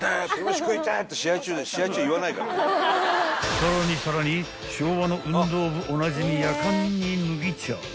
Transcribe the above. ［さらにさらに昭和の運動部おなじみやかんに麦茶］